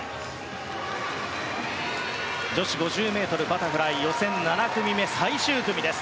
女子５０ｍバタフライ予選７組目最終組です。